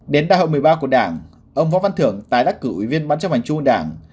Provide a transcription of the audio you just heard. đến đại hội một mươi ba của đảng ông võ văn thưởng tái đắc cử ủy viên ban chấp hành trung đảng